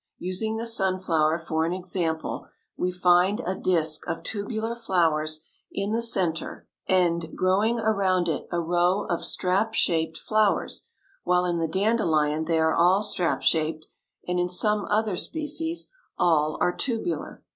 Using the sunflower for an example we find a disk of tubular flowers in the center and, growing around it, a row of strap shaped flowers, while in the dandelion they are all strap shaped, and in some other species all are tubular.